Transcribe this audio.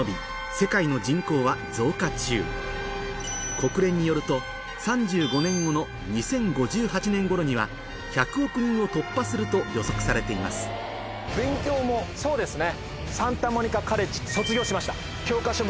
国連によると３５年後の２０５８年頃には１００億人を突破すると予測されていますそうですね。